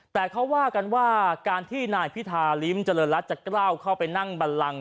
แต่เขาว่ากันว่าการที่นายพิธาริมเจริญรัฐจะกล้าวเข้าไปนั่งบันลัง